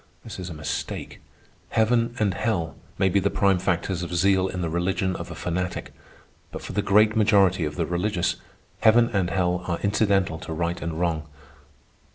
This is a mistake. Heaven and hell may be the prime factors of zeal in the religion of a fanatic; but for the great majority of the religious, heaven and hell are incidental to right and wrong.